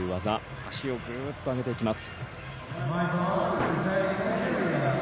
足をグッと上げていきます。